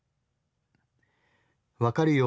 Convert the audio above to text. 分かるよ